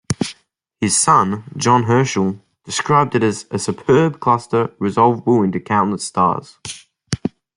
His son, John Herschel, described it as "a superb cluster resolvable into countless stars".